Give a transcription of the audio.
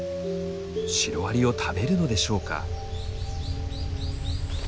シロアリを食べるのでしょうか？